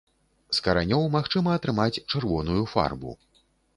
З каранёў магчыма атрымаць чырвоную фарбу.